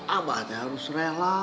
abah harus rela